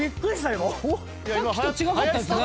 さっきと違かったですね。